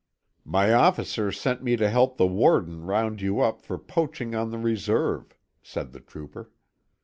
"My officer sent me to help the warden round you up for poaching on the reserve," said the trooper.